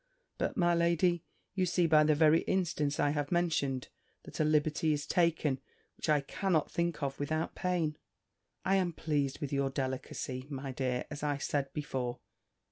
But, my lady, you see by the very instance I have mentioned, that a liberty is taken, which I cannot think of without pain." "I am pleased with your delicacy, my dear, as I said before.